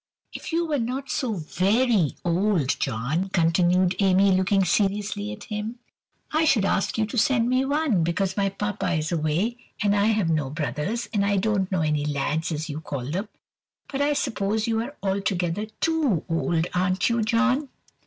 "If you were not so very old, John," continued Amy, looking seriously at him, "I should ask you to send me one, because my Papa is away, and I have no brothers, and I don't know any lads, as you call them. But I suppose you are altogether too old, aren't you, John?"